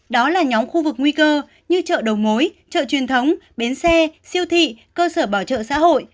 đó là nhóm khu vực nguy cơ như chợ đầu mối chợ truyền thống bến xe siêu thị cơ sở bảo trợ xã hội